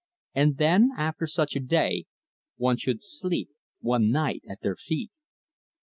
And then, after such a day, one should sleep, one night, at their feet."